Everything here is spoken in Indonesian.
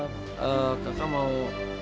tak ada mau